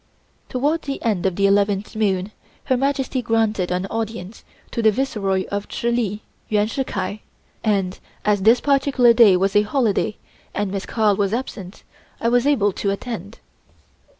Toward the end of the eleventh moon Her Majesty granted an audience to the Viceroy of Chihli, Yuan Shih Kai, and as this particular day was a holiday and Miss Carl was absent, I was able to attend.